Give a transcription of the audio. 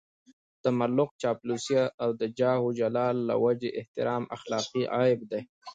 تملق، چاپلوسي او د جاه و جلال له وجهې احترام اخلاقي عيب دی.